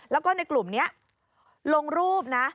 แล้วก็ในกลุ่มนี้ลงรูปนะ